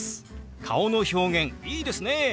顔の表現いいですね。